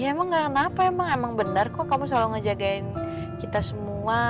emang gak kenapa emang benar kok kamu selalu ngejagain kita semua